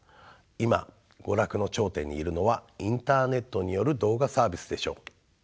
今娯楽の頂点にいるのはインターネットによる動画サービスでしょう。